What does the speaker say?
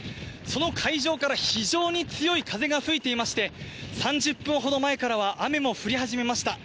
その海上から非常に強い風が吹いていまして、３０分ほど前からは、雨も降り始めました。